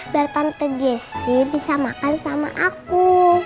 biar tante jessy bisa makan sama aku